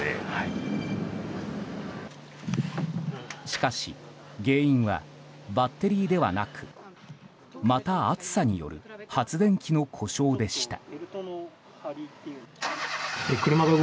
しかし、原因はバッテリーではなくまた暑さによる発電機の故障でした。